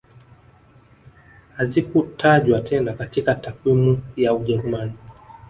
Hazikutajwa tena katika takwimu ya Ujerumani